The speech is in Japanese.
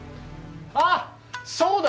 あっそうだ！